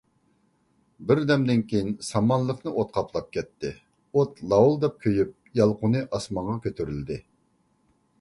بىردەمدىن كېيىن سامانلىقنى ئوت قاپلاپ كەتتى، ئوت لاۋۇلداپ كۆيۈپ، يالقۇنى ئاسمانغا كۆتۈرۈلدى.